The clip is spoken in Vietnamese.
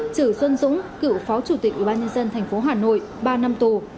trừ xuân dũng cựu phó chủ tịch ubnd tp hà nội ba năm tù